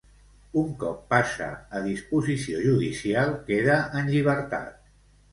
Un cop passa a disposició judicial, queda en llibertat.